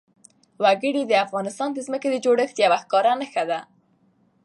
وګړي د افغانستان د ځمکې د جوړښت یوه ښکاره نښه ده.